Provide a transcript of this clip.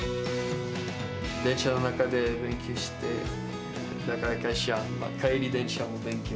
電車の中で勉強して、会社、帰り電車も勉強。